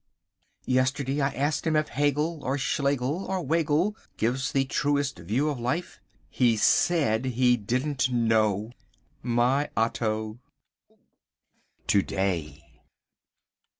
Yesterday I asked him if Hegel or Schlegel or Whegel gives the truest view of life. He said he didn't know! My Otto! To day.